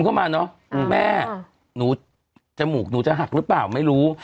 ถ้าเป็นน้้ำหนูจมูกหนูจะหักรึเปล่าไม่รู้